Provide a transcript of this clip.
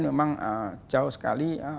memang jauh sekali